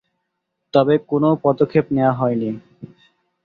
তবে কোনও পদক্ষেপ নেওয়া হয়নি।